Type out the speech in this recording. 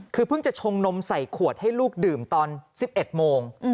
คือเพิ่งจะชงนมใส่ขวดให้ลูกดื่มตอน๑๑โมง